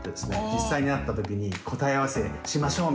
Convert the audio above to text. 実際に会った時に答え合わせしましょう！